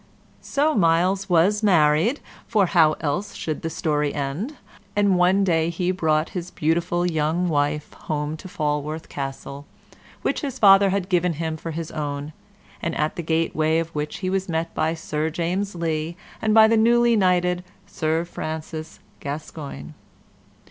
So Myles was married, for how else should the story end? And one day he brought his beautiful young wife home to Falworth Castle, which his father had given him for his own, and at the gateway of which he was met by Sir James Lee and by the newly knighted Sir Francis Gascoyne.